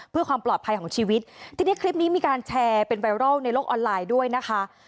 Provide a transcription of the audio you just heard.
เพื่อความปลอดภัยของชีวิตทีนี้คลิปนี้มีการแชร์เป็นไวรัลในโลกออนไลน์ด้วยนะคะ